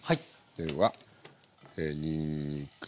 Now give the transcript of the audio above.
ではにんにく。